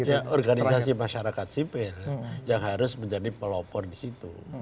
ya organisasi masyarakat sipil yang harus menjadi pelopor di situ